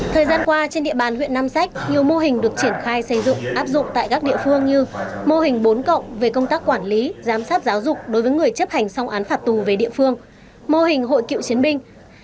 thời gian qua trên địa bàn huyện nam sách nhiều mô hình được triển khai xây dựng áp dụng tại các địa phương như mô hình bốn cộng về công tác quản lý giám sát giáo dục đối với người chấp hành xong án phạt tù về địa phương mô hình hội cựu chiến binh